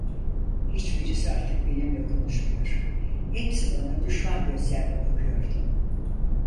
Hiçbirisi artık benimle konuşmuyor, hepsi bana düşman gözlerle bakıyordu.